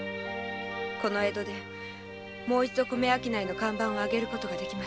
この江戸でもう一度米商いの看板を揚げることができました。